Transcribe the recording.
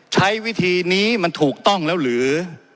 ใช้วิธีนี้มันถูกต้องแล้วหรือ